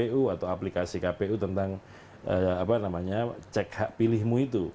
kpu atau aplikasi kpu tentang cek hak pilihmu itu